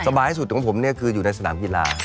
สบายที่สุดของผมเนี่ยคืออยู่ในสนามกีฬา